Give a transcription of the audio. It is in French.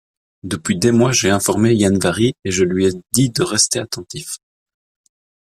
Depuis des mois j’ai informé Yann-Vari, et je lui ai dit de rester attentif.